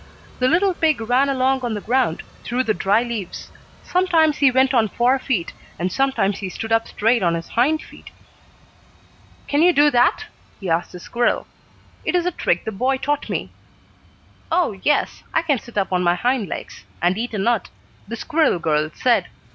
The little pig ran along on the ground, through the dry leaves. Sometimes he went on four feet and sometimes he stood up straight on his hind feet. "Can you do that?" he asked the squirrel. "It is a trick the boy taught me." "Oh, yes, I can sit up on my hind legs, and eat a nut," the squirrel girl said.